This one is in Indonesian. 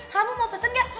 kamu mau pesen gak